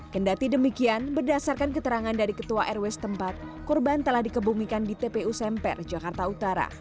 kendati demikian berdasarkan keterangan dari ketua rw setempat korban telah dikebumikan di tpu semper jakarta utara